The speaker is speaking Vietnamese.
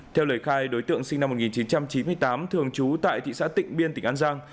theo lời khai đối tượng sinh năm một nghìn chín trăm chín mươi tám thường trú tại thị xã tịnh biên tỉnh an giang